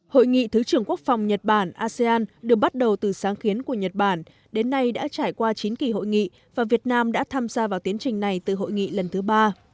hội nghị thứ trưởng quốc phòng nhật bản asean được bắt đầu từ sáng kiến của nhật bản đến nay đã trải qua chín kỳ hội nghị và việt nam đã tham gia vào tiến trình này từ hội nghị lần thứ ba